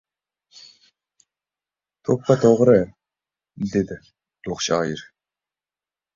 — To‘ppa-to‘g‘ri! — dedi ulug‘ shoir.